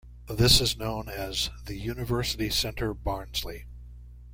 This is known as the University Centre Barnsley.